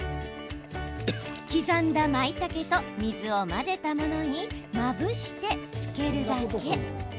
刻んだまいたけと水を混ぜたものにまぶして漬けるだけ。